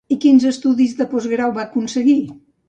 I quins estudis de postgrau va aconseguir?